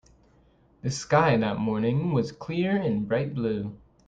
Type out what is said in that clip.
The sky that morning was clear and bright blue.